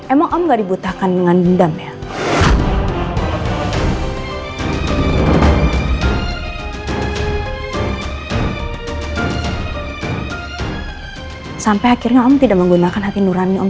emang nggak dibutahkan dengan dendam ya sampai akhirnya tidak menggunakan hati nurani om